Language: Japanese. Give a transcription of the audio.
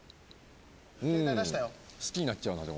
好きになっちゃうな。